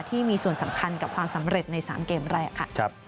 ที่มีส่วนสำคัญกับความสำเร็จใน๓เกมแรกค่ะ